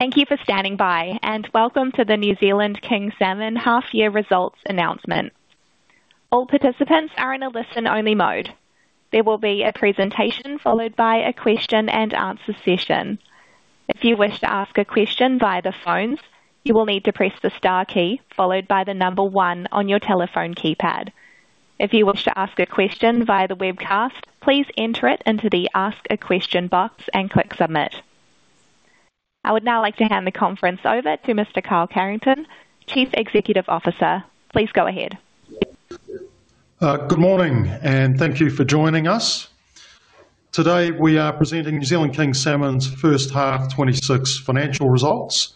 Thank you for standing by, and welcome to the New Zealand King Salmon half-year results announcement. All participants are in a listen-only mode. There will be a presentation followed by a question and answer session. If you wish to ask a question via the phones, you will need to press the star key followed by the number one on your telephone keypad. If you wish to ask a question via the webcast, please enter it into the Ask a Question box and click Submit. I would now like to hand the conference over to Mr. Carl Carrington, Chief Executive Officer. Please go ahead. Good morning, and thank you for joining us. Today, we are presenting New Zealand King Salmon's first half 2026 financial results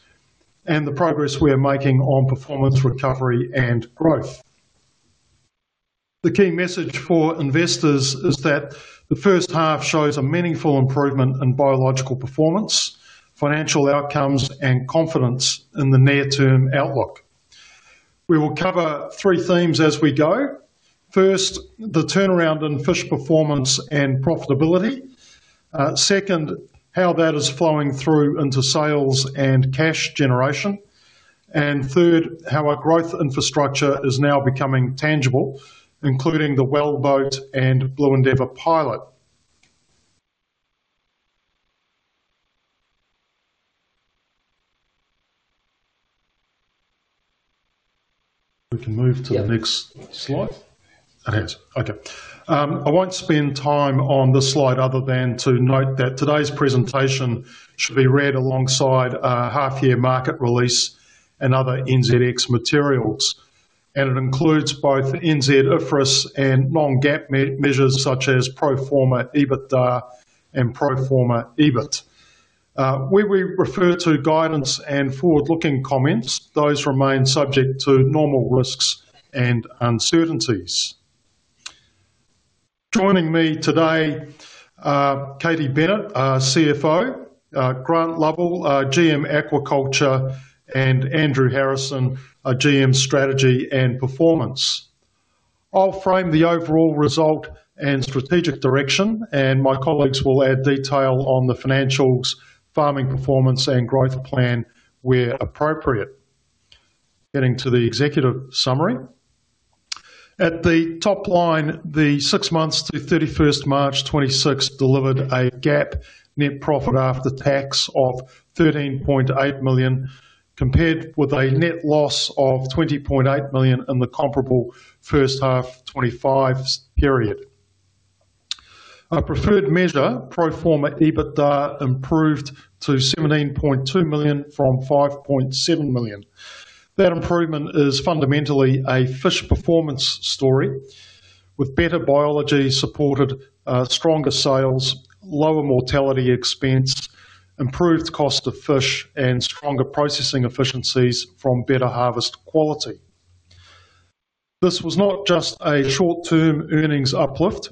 and the progress we are making on performance recovery and growth. The key message for investors is that the first half shows a meaningful improvement in biological performance, financial outcomes, and confidence in the near-term outlook. We will cover three themes as we go. First, the turnaround in fish performance and profitability. Second, how that is flowing through into sales and cash generation. Third, how our growth infrastructure is now becoming tangible, including the wellboat and Blue Endeavor pilot. If we can move to our next slide. Yes, okay. I won't spend time on this slide other than to note that today's presentation should be read alongside our half year market release and other NZX materials. It includes both NZ IFRS and non-GAAP measures such as pro forma EBITDA and pro forma EBIT. Where we refer to guidance and forward-looking comments, those remain subject to normal risks and uncertainties. Joining me today, Katie Bennett, CFO, Grant Lovell, GM Aquaculture, and Andrew Harrison, GM Strategy and Performance. I'll frame the overall result and strategic direction, and my colleagues will add detail on the financials, farming performance, and growth plan where appropriate. Getting to the executive summary. At the top line, the six months to 31st March 2026 delivered a GAAP net profit after tax of 13.8 million, compared with a net loss of 20.8 million in the comparable first half 2025 period. Our preferred measure, pro forma EBITDA, improved to 17.2 million from 5.7 million. That improvement is fundamentally a fish performance story with better biology supported stronger sales, lower mortality expense, improved cost of fish, and stronger processing efficiencies from better harvest quality. This was not just a short-term earnings uplift.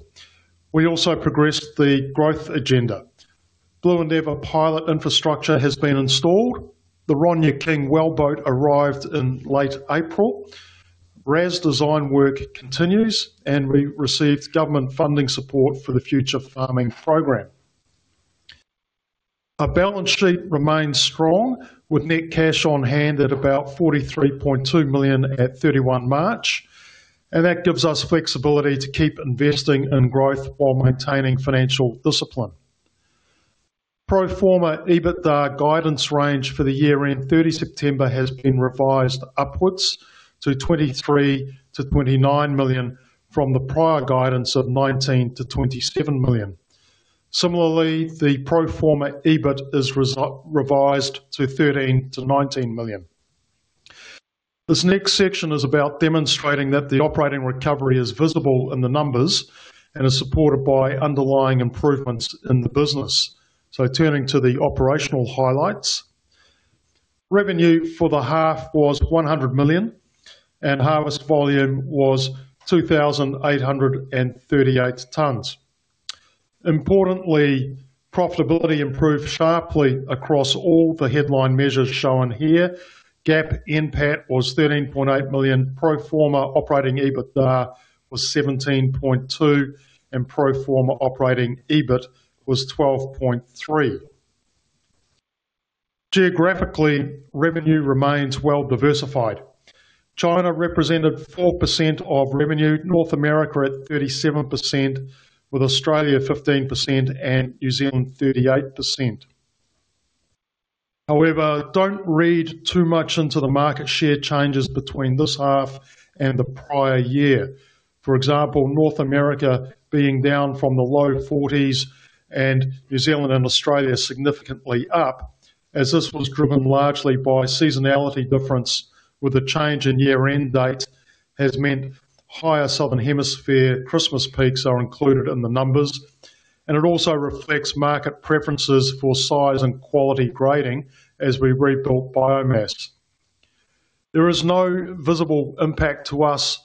We also progressed the growth agenda. Blue Endeavor pilot infrastructure has been installed. The Ronja King wellboat arrived in late April. RAS design work continues. We received government funding support for the future farming program. Our balance sheet remains strong, with net cash on hand at about 43.2 million at 31 March. That gives us flexibility to keep investing in growth while maintaining financial discipline. Pro forma EBITDA guidance range for the year-end 30 September has been revised upwards to 23 million-29 million from the prior guidance of 19 million-27 million. Similarly, the pro forma EBIT is revised to 13 million-19 million. This next section is about demonstrating that the operating recovery is visible in the numbers and is supported by underlying improvements in the business. Turning to the operational highlights. Revenue for the half was 100 million, and harvest volume was 2,838 tons. Importantly, profitability improved sharply across all the headline measures shown here. GAAP NPAT was 13.8 million, pro forma operating EBITDA was 17.2 million, and pro forma operating EBIT was 12.3 million. Geographically, revenue remains well-diversified. China represented 4% of revenue, North America at 37%, with Australia 15% and New Zealand 38%. Don't read too much into the market share changes between this half and the prior year. For example, North America being down from the low 40%s. New Zealand and Australia significantly up, as this was driven largely by seasonality difference, with the change in year-end dates has meant higher Southern Hemisphere Christmas peaks are included in the numbers. It also reflects market preferences for size and quality grading as we rebuilt biomass. There is no visible impact to us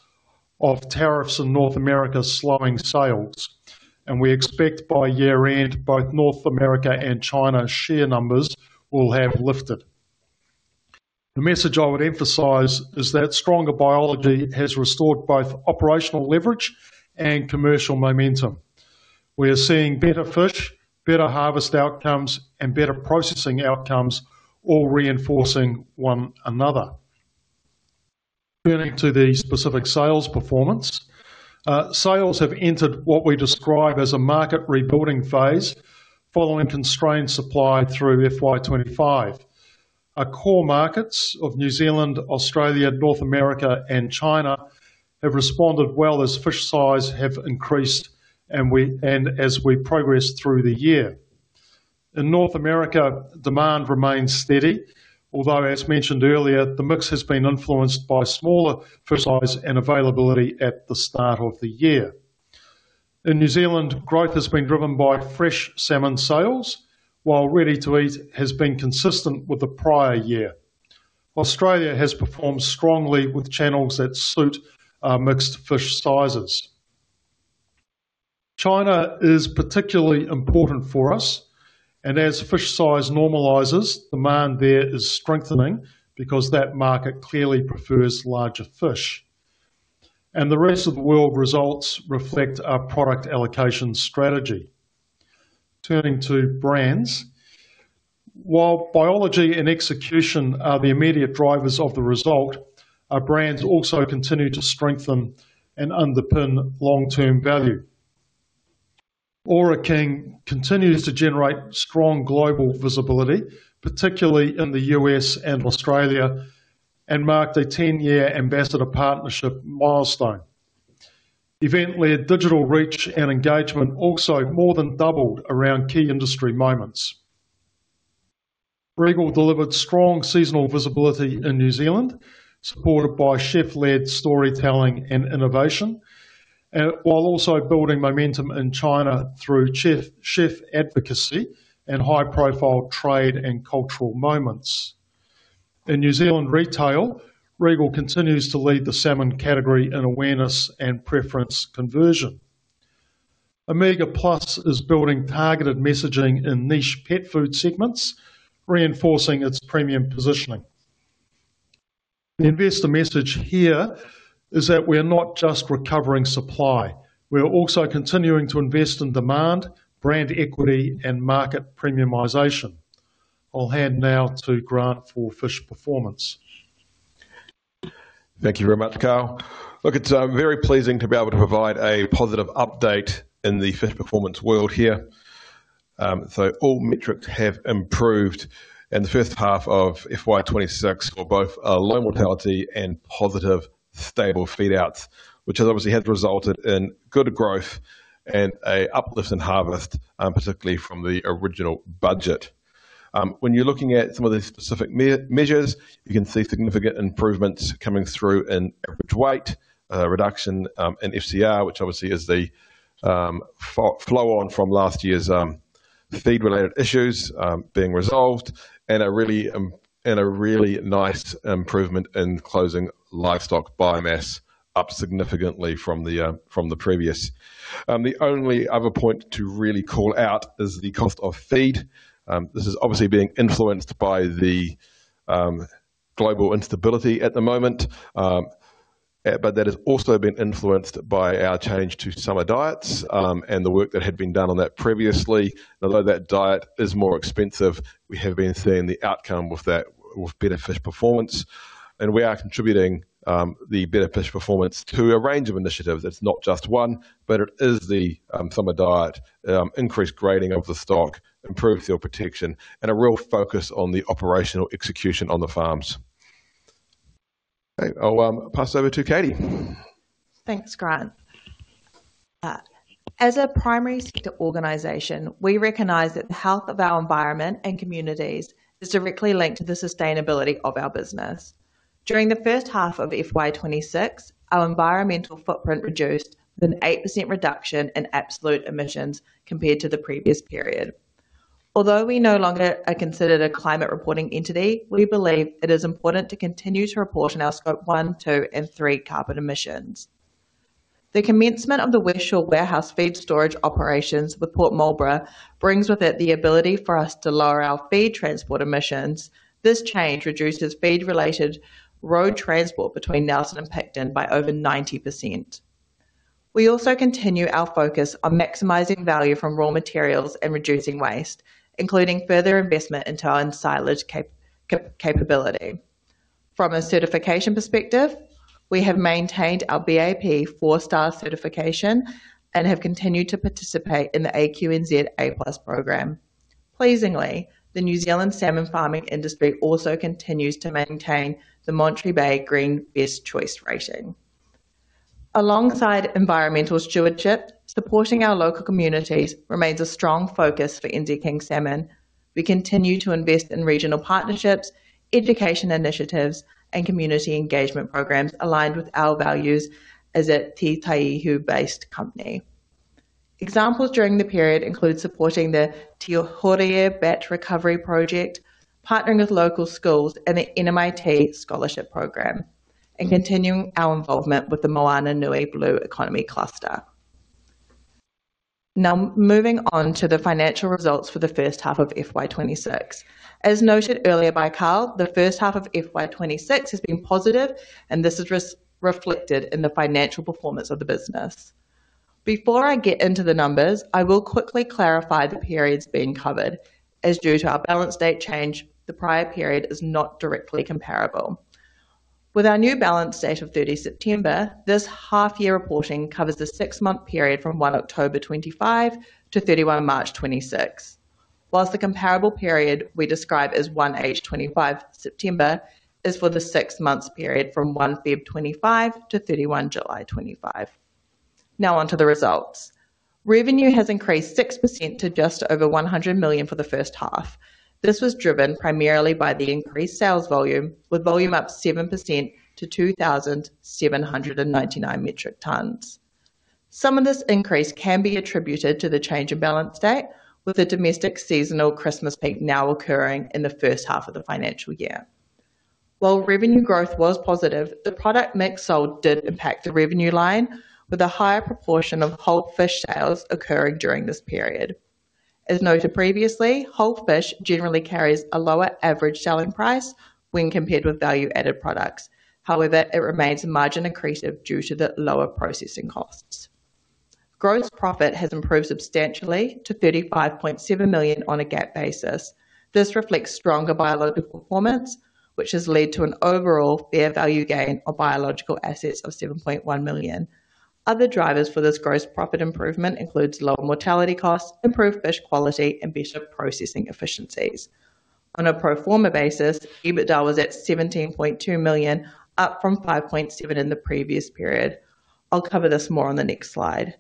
of tariffs in North America slowing sales. We expect by year-end, both North America and China share numbers will have lifted. The message I would emphasize is that stronger biology has restored both operational leverage and commercial momentum. We are seeing better fish, better harvest outcomes, and better processing outcomes, all reinforcing one another. Turning to the specific sales performance. Sales have entered what we describe as a market rebuilding phase following constrained supply through FY 2025. Our core markets of New Zealand, Australia, North America, and China have responded well as fish size have increased and as we progress through the year. In North America, demand remains steady, although as mentioned earlier, the mix has been influenced by smaller fish size and availability at the start of the year. In New Zealand, growth has been driven by fresh salmon sales, while ready-to-eat has been consistent with the prior year. Australia has performed strongly with channels that suit mixed fish sizes. As fish size normalizes, demand there is strengthening because that market clearly prefers larger fish. The rest of the world results reflect our product allocation strategy. Turning to brands. While biology and execution are the immediate drivers of the result, our brands also continue to strengthen and underpin long-term value. Ōra King continues to generate strong global visibility, particularly in the U.S. and Australia, and marked a 10-year ambassador partnership milestone. Event-led digital reach and engagement also more than doubled around key industry moments. Regal delivered strong seasonal visibility in New Zealand, supported by chef-led storytelling and innovation, while also building momentum in China through chef advocacy and high-profile trade and cultural moments. In New Zealand retail, Regal continues to lead the salmon category in awareness and preference conversion. Omega Plus is building targeted messaging in niche pet food segments, reinforcing its premium positioning. The investor message here is that we are not just recovering supply, we are also continuing to invest in demand, brand equity, and market premiumization. I'll hand now to Grant for fish performance. Thank you very much, Carl. It's very pleasing to be able to provide a positive update in the fish performance world here. All metrics have improved in the first half of FY 2026 for both low mortality and positive stable feed outs, which obviously have resulted in good growth and a uplift in harvest, particularly from the original budget. When you're looking at some of the specific measures, you can see significant improvements coming through in average weight, a reduction in FCR, which obviously is the flow on from last year's feed-related issues being resolved, and a really nice improvement in closing livestock biomass up significantly from the previous. The only other point to really call out is the cost of feed. This is obviously being influenced by the global instability at the moment, but that has also been influenced by our change to summer diets and the work that had been done on that previously. Although that diet is more expensive, we have been seeing the outcome with better fish performance, and we are contributing the better fish performance to a range of initiatives. It's not just one, but it is the summer diet, increased grading of the stock, improved feed protection, and a real focus on the operational execution on the farms. I'll pass over to Katie. Thanks, Grant. As a primary sector organization, we recognize that the health of our environment and communities is directly linked to the sustainability of our business. During the first half of FY 2026, our environmental footprint reduced with an 8% reduction in absolute emissions compared to the previous period. Although we no longer are considered a climate reporting entity, we believe it is important to continue to report on our Scope 1, 2, and 3 carbon emissions. The commencement of the Waikawa warehouse feed storage operations with Port Marlborough brings with it the ability for us to lower our feed transport emissions. This change reduces feed-related road transport between Nelson and Picton by over 90%. We also continue our focus on maximizing value from raw materials and reducing waste, including further investment into our own silage capability. From a certification perspective, we have maintained our BAP four-star certification and have continued to participate in the AQNZ A+ program. Pleasingly, the New Zealand salmon farming industry also continues to maintain the Monterey Bay Seafood Watch Best Choice rating. Alongside environmental stewardship, supporting our local communities remains a strong focus for NZ King Salmon. We continue to invest in regional partnerships, education initiatives, and community engagement programs aligned with our values as a Te Tauihu-based company. Examples during the period include supporting the Te Hoiere Bat Recovery Project, partnering with local schools and the NMIT scholarship program, and continuing our involvement with the Moananui Blue Economy Cluster. Moving on to the financial results for the first half of FY 2026. As noted earlier by Carl, the first half of FY 2026 has been positive, and this is reflected in the financial performance of the business. Before I get into the numbers, I will quickly clarify the periods being covered, as due to our balance date change, the prior period is not directly comparable. With our new balance date of 30 September, this half-year reporting covers the six-month period from 1 October 2025 to 31 March 2026. The comparable period we describe as 1H 2025 September is for the six months period from 1 February 2025 to 31 July 2025. Now on to the results. Revenue has increased 6% to just over 100 million for the first half. This was driven primarily by the increased sales volume, with volume up 7% to 2,799 metric tons. Some of this increase can be attributed to the change in balance date, with the domestic seasonal Christmas peak now occurring in the first half of the financial year. While revenue growth was positive, the product mix sold did impact the revenue line with a higher proportion of whole fish sales occurring during this period. As noted previously, whole fish generally carries a lower average selling price when compared with value-added products. It remains margin accretive due to the lower processing costs. Gross profit has improved substantially to 35.7 million on a GAAP basis. This reflects stronger biological performance, which has led to an overall fair value gain on biological assets of 7.1 million. Other drivers for this gross profit improvement includes lower mortality costs, improved fish quality, and better processing efficiencies. On a pro forma basis, EBITDA was at 17.2 million, up from 5.7 in the previous period. I'll cover this more on the next slide.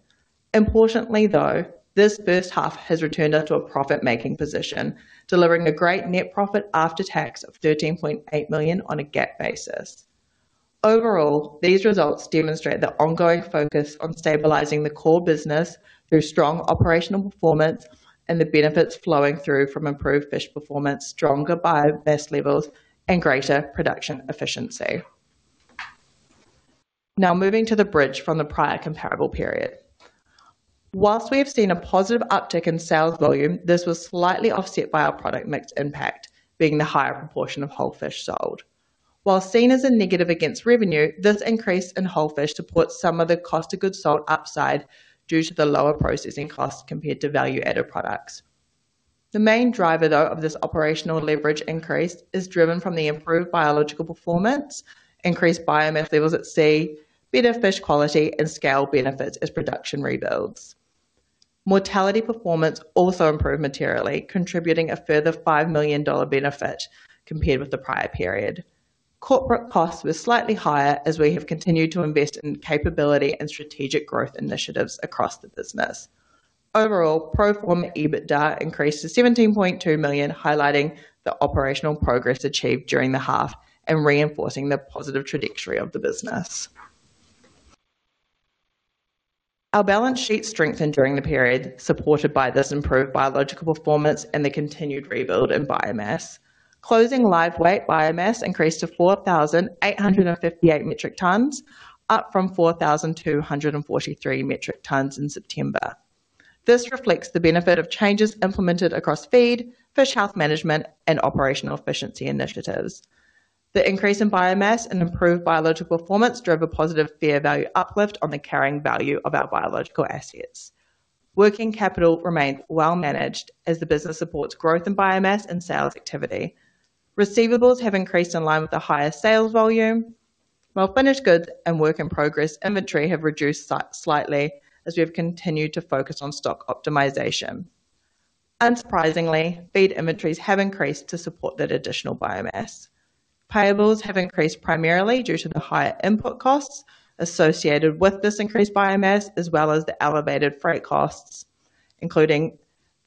Importantly, though, this first half has returned us to a profit-making position, delivering a great net profit after tax of 13.8 million on a GAAP basis. These results demonstrate the ongoing focus on stabilizing the core business through strong operational performance and the benefits flowing through from improved fish performance, stronger biomass levels, and greater production efficiency. Moving to the bridge from the prior comparable period. We have seen a positive uptick in sales volume, this was slightly offset by our product mix impact, being the higher proportion of whole fish sold. Seen as a negative against revenue, this increase in whole fish supports some of the cost of goods sold upside due to the lower processing costs compared to value-added products. The main driver, though, of this operational leverage increase is driven from the improved biological performance, increased biomass levels at sea, better fish quality, and scale benefits as production rebuilds. Mortality performance also improved materially, contributing a further 5 million dollar benefit compared with the prior period. Corporate costs were slightly higher as we have continued to invest in capability and strategic growth initiatives across the business. Overall, pro forma EBITDA increased to 17.2 million, highlighting the operational progress achieved during the half and reinforcing the positive trajectory of the business. Our balance sheet strengthened during the period, supported by this improved biological performance and the continued rebuild in biomass. Closing live weight biomass increased to 4,858 metric tons, up from 4,243 metric tons in September. This reflects the benefit of changes implemented across feed, fish health management, and operational efficiency initiatives. The increase in biomass and improved biological performance drove a positive fair value uplift on the carrying value of our biological assets. Working capital remained well managed as the business supports growth in biomass and sales activity. Receivables have increased in line with the higher sales volume, while finished goods and work-in-progress inventory have reduced slightly as we have continued to focus on stock optimization. Unsurprisingly, feed inventories have increased to support that additional biomass. Payables have increased primarily due to the higher input costs associated with this increased biomass, as well as the elevated freight costs, including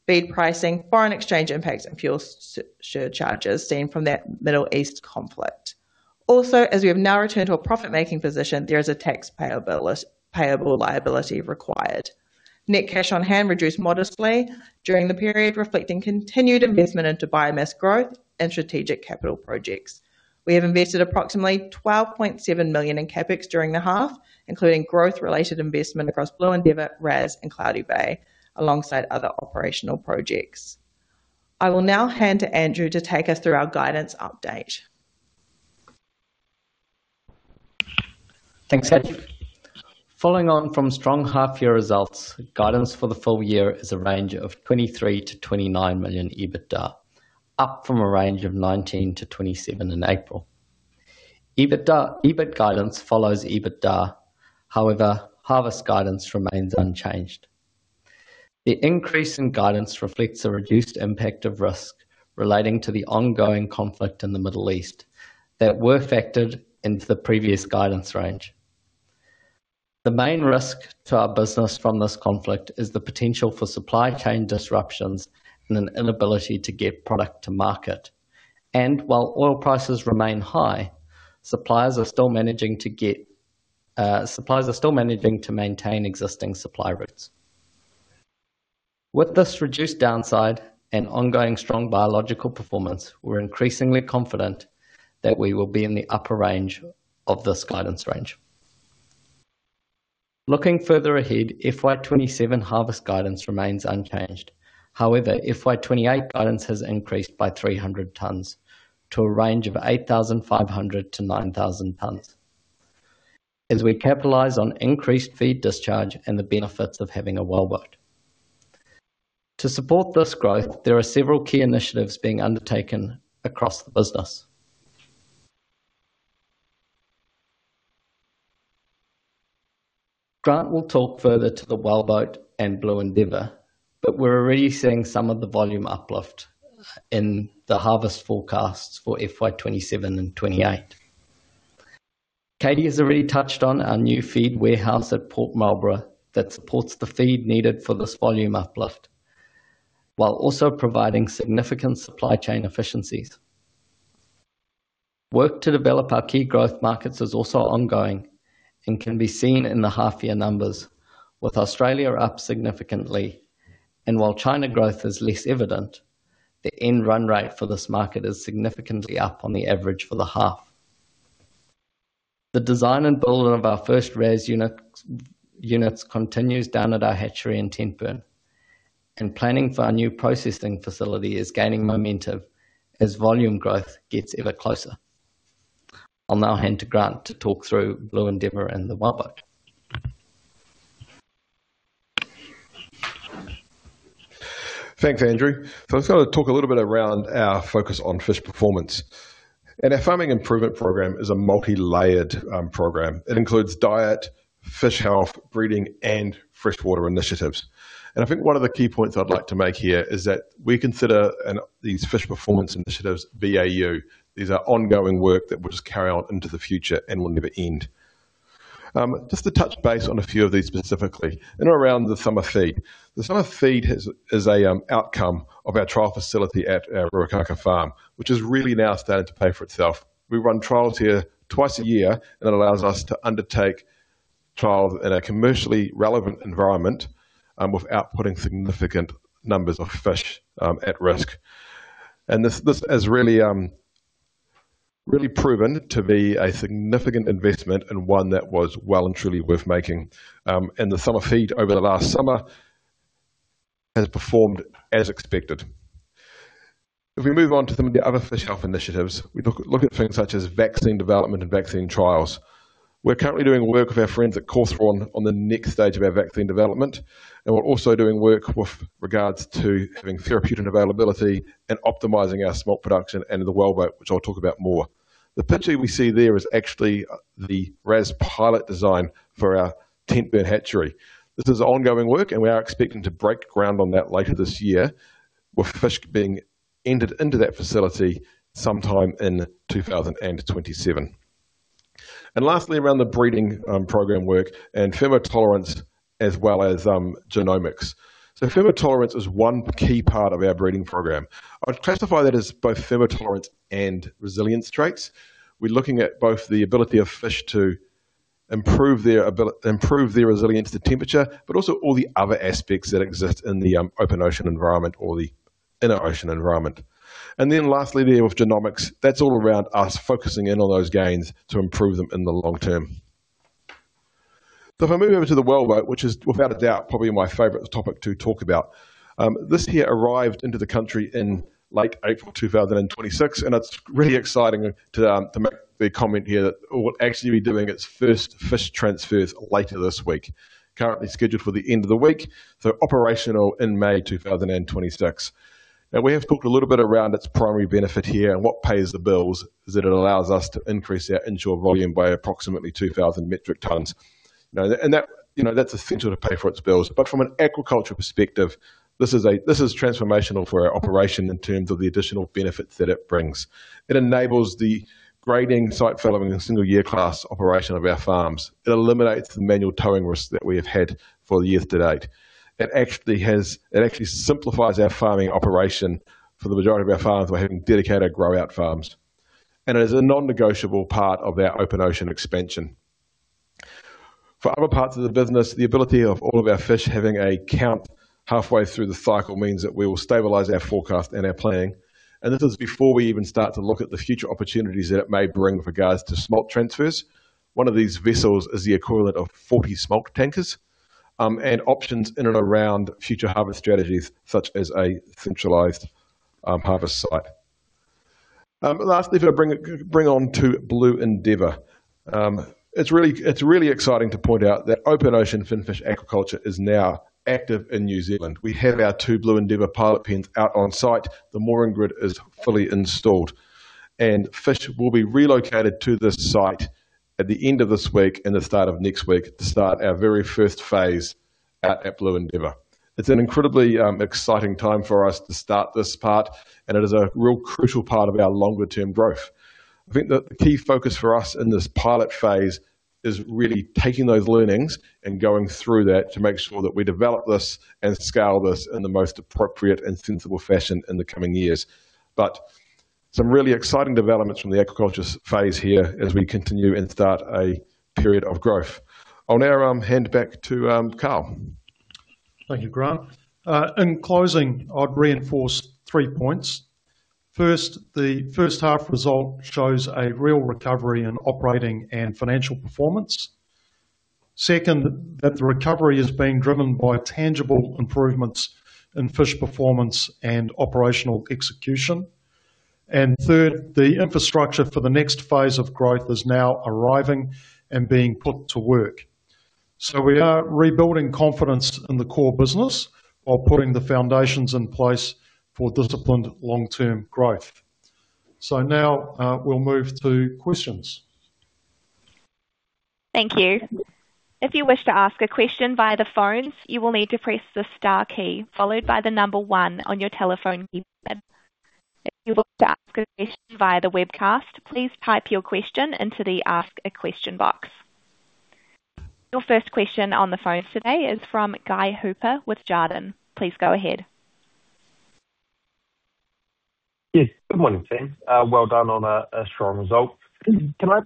feed pricing, foreign exchange impacts, and fuel surcharges seen from that Middle East conflict. Also, as we have now returned to a profit-making position, there is a tax payable liability required. Net cash on hand reduced modestly during the period, reflecting continued investment into biomass growth and strategic capital projects. We have invested approximately 12.7 million in CapEx during the half, including growth-related investment across Blue Endeavor, RAS, and Cloudy Bay, alongside other operational projects. I will now hand to Andrew to take us through our guidance update. Thanks, Katie. Following on from strong half-year results, guidance for the full year is a range of 23 million-29 million EBITDA, up from a range of 19 million-27 million in April. EBIT guidance follows EBITDA. Harvest guidance remains unchanged. The increase in guidance reflects a reduced impact of risk relating to the ongoing conflict in the Middle East that were factored into the previous guidance range. The main risk to our business from this conflict is the potential for supply chain disruptions and an inability to get product to market. While oil prices remain high, suppliers are still managing to maintain existing supply routes. With this reduced downside and ongoing strong biological performance, we're increasingly confident that we will be in the upper range of this guidance range. Looking further ahead, FY 2027 harvest guidance remains unchanged. However, FY 2028 guidance has increased by 300 tonnes to a range of 8,500-9,000 tonnes. As we capitalize on increased feed discharge and the benefits of having a wellboat. To support this growth, there are several key initiatives being undertaken across the business. Grant will talk further to the wellboat and Blue Endeavor, but we're already seeing some of the volume uplift in the harvest forecasts for FY 2027 and FY 2028. Katie has already touched on our new feed warehouse at Port Marlborough that supports the feed needed for this volume uplift, while also providing significant supply chain efficiencies. Work to develop our key growth markets is also ongoing and can be seen in the half-year numbers, with Australia up significantly. While China growth is less evident, the end run rate for this market is significantly up on the average for the half. The design and build of our first RAS units continues down at our hatchery in Tentburn, and planning for our new processing facility is gaining momentum as volume growth gets ever closer. I'll now hand to Grant to talk through Blue Endeavor and the wellboat. Thanks, Andrew. I was going to talk a little bit around our focus on fish performance. Our farming improvement program is a multi-layered program. It includes diet, fish health, breeding, and freshwater initiatives. I think one of the key points I'd like to make here is that we consider these fish performance initiatives BAU. These are ongoing work that will just carry on into the future and will never end. Just to touch base on a few of these specifically, and around the summer feed. The summer feed is an outcome of our trial facility at our Ruakaka farm, which is really now starting to pay for itself. We run trials here twice a year. It allows us to undertake trials in a commercially relevant environment and without putting significant numbers of fish at risk. This has really proven to be a significant investment and one that was well and truly worth making. The summer feed over the last summer has performed as expected. If we move on to some of the other fish health initiatives, we look at things such as vaccine development and vaccine trials. We're currently doing work with our friends at Cawthron on the next stage of our vaccine development, and we're also doing work with regards to having therapeutic availability and optimizing our smolt production and the wellboat, which I'll talk about more. The picture we see there is actually the RAS pilot design for our Tentburn hatchery. This is ongoing work, and we are expecting to break ground on that later this year, with fish being entered into that facility sometime in 2027. Lastly, around the breeding program work and thermotolerance, as well as genomics. Thermotolerance is one key part of our breeding program. I'd classify that as both thermotolerance and resilience traits. We're looking at both the ability of fish to improve their resilience to temperature, but also all the other aspects that exist in the open ocean environment or the inner ocean environment. Lastly, with genomics, that's all around us focusing in on those gains to improve them in the long term. If I move over to the wellboat, which is without a doubt probably my favorite topic to talk about. This here arrived into the country in late April 2026, and it's really exciting to make the comment here that it will actually be doing its first fish transfers later this week, currently scheduled for the end of the week, so operational in May 2026. We have talked a little bit around its primary benefit here and what pays the bills is it allows us to increase our inshore volume by approximately 2,000 metric tons. That's essential to pay for its bills. From an aquaculture perspective, this is transformational for our operation in terms of the additional benefits that it brings. It enables the grading, site filling, and single year class operation of our farms. It eliminates the manual towing risks that we have had for the years to date. It actually simplifies our farming operation for the majority of our farms by having dedicated grow-out farms and is a non-negotiable part of our open ocean expansion. For other parts of the business, the ability of all of our fish having a count halfway through the cycle means that we will stabilize our forecast and our planning. This is before we even start to look at the future opportunities that it may bring with regards to smolt transfers. One of these vessels is the equivalent of 40 smolt tankers, and options in and around future harvest strategies such as a centralized harvest site. Lastly, if I bring on to Blue Endeavor. It's really exciting to point out that open ocean finfish aquaculture is now active in New Zealand. We have our two Blue Endeavor pilot pens out on site. The mooring grid is fully installed, and fish will be relocated to this site at the end of this week and the start of next week to start our very first phase out at Blue Endeavor. It's an incredibly exciting time for us to start this part, and it is a real crucial part of our longer-term growth. I think that the key focus for us in this pilot phase is really taking those learnings and going through that to make sure that we develop this and scale this in the most appropriate and sensible fashion in the coming years. Some really exciting developments from the aquaculture phase here as we continue and start a period of growth. I'll now hand back to Carl. Thank you, Grant. In closing, I'd reinforce three points. First, the first half result shows a real recovery in operating and financial performance. Second, that the recovery is being driven by tangible improvements in fish performance and operational execution. Third, the infrastructure for the next phase of growth is now arriving and being put to work. We are rebuilding confidence in the core business while putting the foundations in place for disciplined long-term growth. Now, we'll move to questions. Thank you. If you wish to ask a question via the phones, you will need to press the star key followed by the number one on your telephone keypad. If you wish to ask a question via the webcast, please type your question into the ask a question box. Your first question on the phone today is from Guy Hooper with Jarden. Please go ahead. Good morning, team. Well done on a strong result. Can I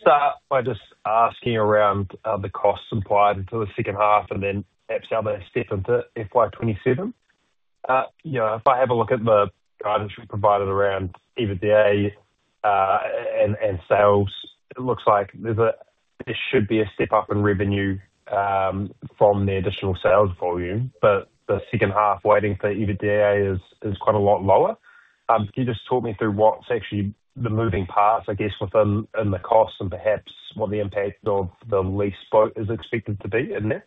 start by just asking around the costs implied into the second half and then perhaps how they step into FY 2027? If I have a look at the guidance you provided around EBITDA and sales, it looks like there should be a step up in revenue from the additional sales volume, but the second half weighting for EBITDA is quite a lot lower. Can you just talk me through what's actually the moving parts, I guess, within the cost and perhaps what the impact of the lease boat is expected to be in there?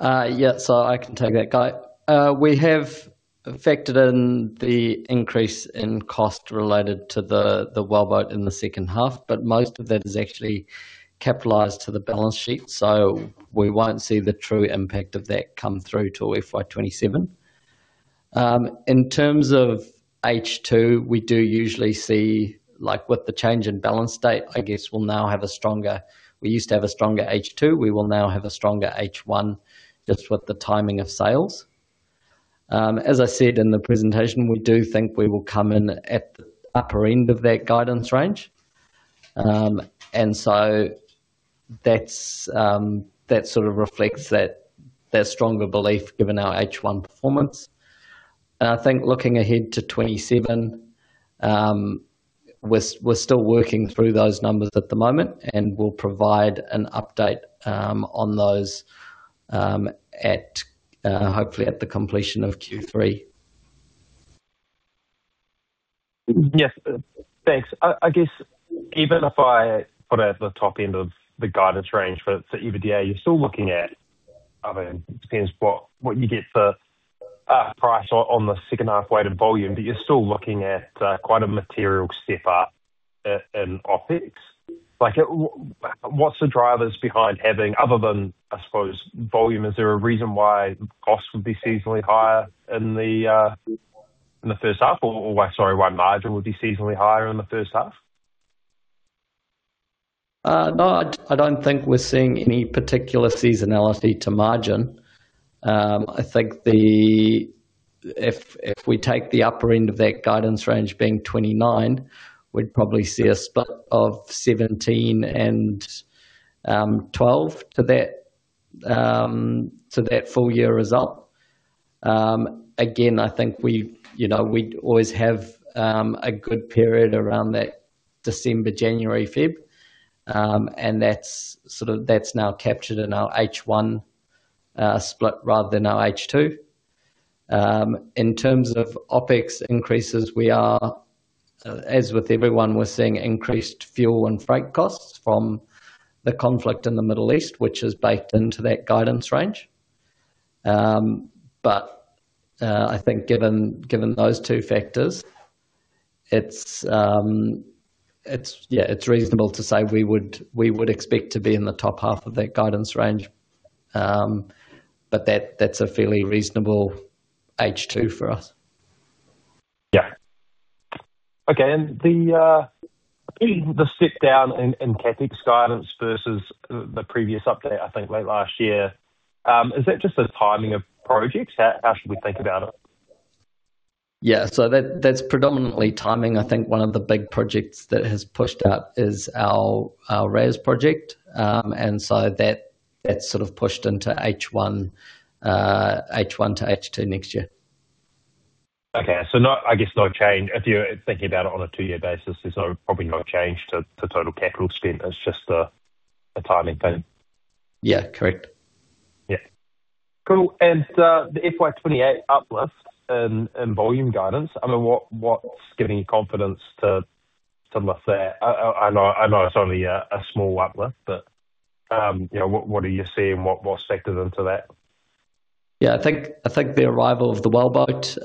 I can take that, Guy. We have factored in the increase in cost related to the wellboat in the second half, but most of that is actually capitalized to the balance sheet, so we won't see the true impact of that come through till FY 2027. In terms of H2, we do usually see, like with the change in balance date, I guess we used to have a stronger H2, we will now have a stronger H1 just with the timing of sales. As I said in the presentation, we do think we will come in at the upper end of that guidance range. That sort of reflects that stronger belief given our H1 performance. I think looking ahead to 2027, we're still working through those numbers at the moment, and we'll provide an update on those hopefully at the completion of Q3. Yes. Thanks. I guess even if I put it at the top end of the guidance range for EBITDA, you're still looking at, I mean, it depends what you get for price on the second half weighted volume, but you're still looking at quite a material step up in OpEx. What's the drivers behind having, other than, I suppose, volume, is there a reason why costs would be seasonally higher in the first half or why, sorry, why margin would be seasonally higher in the first half? No, I don't think we're seeing any particular seasonality to margin. I think if we take the upper end of that guidance range being 29, we'd probably see a split of 17 and 12 to that full-year result. Again, I think we always have a good period around that December, January, February, and that's now captured in our H1 split rather than our H2. In terms of OpEx increases, as with everyone, we're seeing increased fuel and freight costs from the conflict in the Middle East, which is baked into that guidance range. I think given those two factors, it's reasonable to say we would expect to be in the top half of that guidance range. That's a fairly reasonable H2 for us. Yeah. Okay. The step down in CapEx guidance versus the previous update, I think late last year, is that just the timing of projects? How should we think about it? Yeah. That's predominantly timing. I think one of the big projects that has pushed up is our RAS project. That sort of pushed into H1 to H2 next year. Okay. I guess no change. If you're thinking about it on a two-year basis, there's probably no change to total capital spend. It's just a timing thing. Yeah. Correct. Yeah. Cool. The FY 2028 uplift in volume guidance, I mean, what's giving you confidence to lift that? I know it's only a small uplift, what are you seeing? What's factored into that? Yeah. I think the arrival of the wellboat,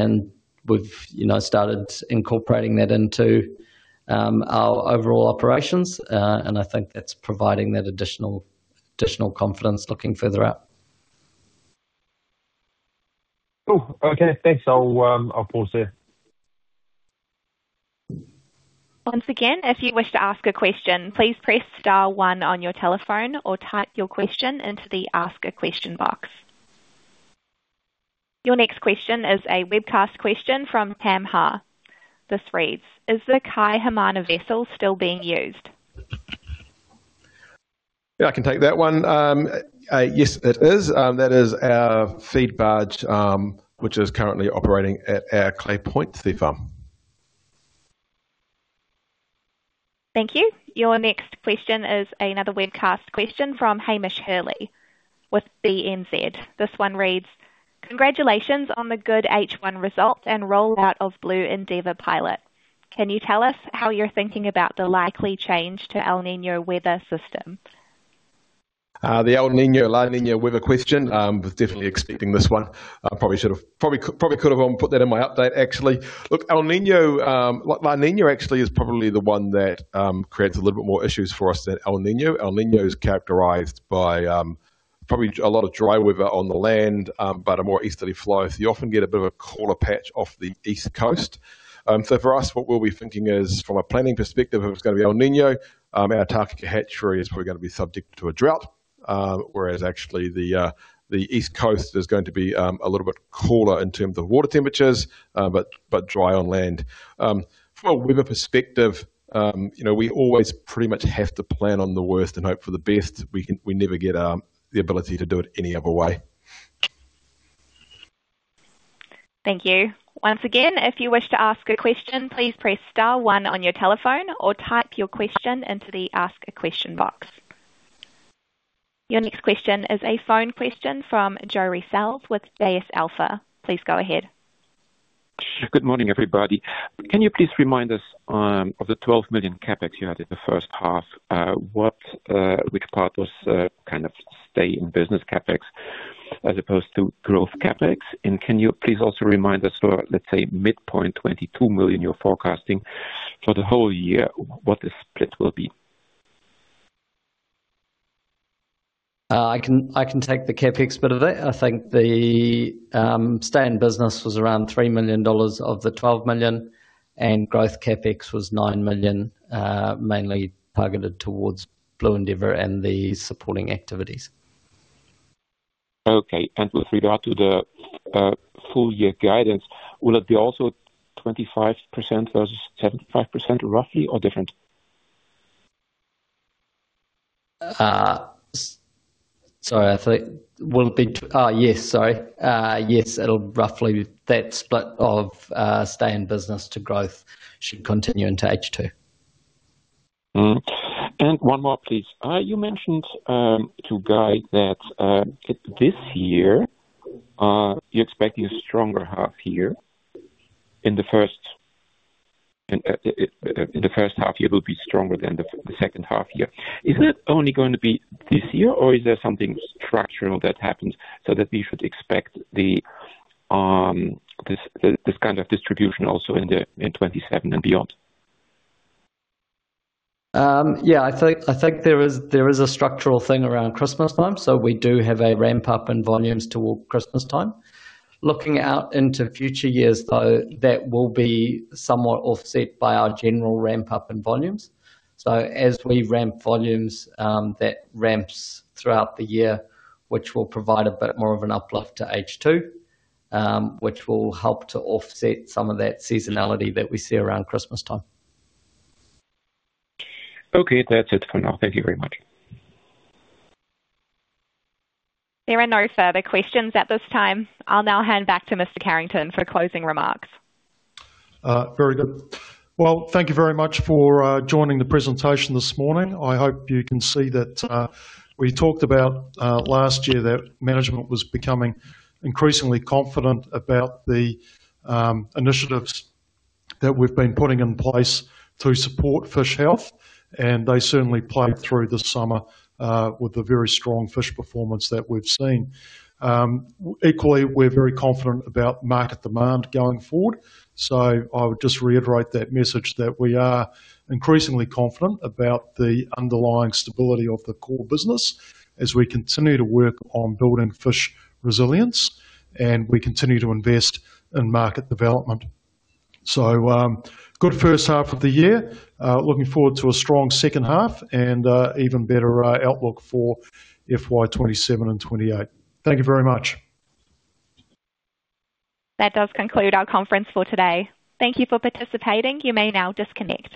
and we've started incorporating that into our overall operations, and I think that's providing that additional confidence looking further out. Cool. Okay. Thanks. I'll pause there. Your next question is a webcast question from Pam Ha with Suisse. "Is the Kai Hamana vessel still being used? I can take that one. Yes, it is. That is our feed barge, which is currently operating at our Clay Point sea farm. Thank you. Your next question is another webcast question from Hamish Hurley with BNZ. This one reads, "Congratulations on the good H1 results and rollout of Blue Endeavor pilot. Can you tell us how you're thinking about the likely change to El Niño weather systems? The El Niño, La Niña weather question, was definitely expecting this one. Probably could've put that in my update, actually. Look, La Niña actually is probably the one that creates a little bit more issues for us than El Niño. El Niño is characterized by probably a lot of dry weather on the land, but a more easterly flow. You often get a bit of a cooler patch off the east coast. For us, what we'll be thinking is, from a planning perspective, if it's going to be El Niño, our Tākaka hatchery is probably going to be subject to a drought, whereas actually the east coast is going to be a little bit cooler in terms of water temperatures, but dry on land. From a weather perspective, we always pretty much have to plan on the worst and hope for the best. We never get the ability to do it any other way. Thank you. Once again, if you wish to ask a question, please press star one on your telephone or type your question into the ask a question box. Your next question is a phone question from [Jerry Fells] with [AS Alpha]. Please go ahead. Good morning, everybody. Can you please remind us of the 12 million CapEx you had in the first half, which part was stay in business CapEx as opposed to growth CapEx? Can you please also remind us for, let's say, midpoint 22 million you're forecasting for the whole year, what the split will be? I can take the CapEx bit of it. I think the stay in business was around 3 million dollars of the 12 million, and growth CapEx was 9 million, mainly targeted towards Blue Endeavor and the supporting activities. Okay. With regard to the full-year guidance, will it be also 25% versus 75% roughly or different? Sorry. Yes, it'll roughly that split of stay in business to growth should continue into H2. One more, please. You mentioned to Guy that this year, you're expecting a stronger half year, in the first half year will be stronger than the second half year. Is it only going to be this year or is there something structural that happens so that we should expect this kind of distribution also in 2027 and beyond? Yeah, I think there is a structural thing around Christmas time. We do have a ramp-up in volumes toward Christmas time. Looking out into future years, though, that will be somewhat offset by our general ramp-up in volumes. As we ramp volumes, that ramps throughout the year, which will provide a bit more of an uplift to H2, which will help to offset some of that seasonality that we see around Christmas time. Okay, that's it for now. Thank you very much. There are no further questions at this time. I'll now hand back to Mr. Carrington for closing remarks. Very good. Well, thank you very much for joining the presentation this morning. I hope you can see that we talked about last year that management was becoming increasingly confident about the initiatives that we've been putting in place to support fish health. They certainly played through this summer with a very strong fish performance that we've seen. Equally, we're very confident about market demand going forward. I would just reiterate that message that we are increasingly confident about the underlying stability of the core business as we continue to work on building fish resilience. We continue to invest in market development. Good first half of the year. Looking forward to a strong second half and even better outlook for FY 2027 and 2028. Thank you very much. That does conclude our conference for today. Thank you for participating. You may now disconnect.